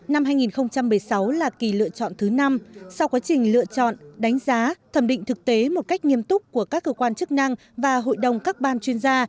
năm hai nghìn một mươi sáu là kỳ lựa chọn thứ năm sau quá trình lựa chọn đánh giá thẩm định thực tế một cách nghiêm túc của các cơ quan chức năng và hội đồng các ban chuyên gia